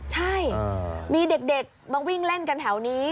ใช่มีเด็กมาวิ่งเล่นกันแถวนี้